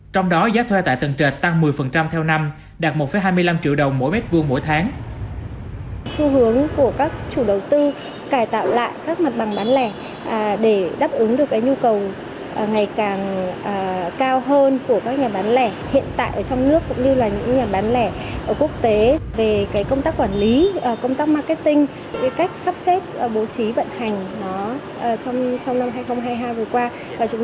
trong đó giá thuê tại tầng trệ tăng một mươi theo năm đạt một hai mươi năm triệu đồng mỗi m hai mỗi tháng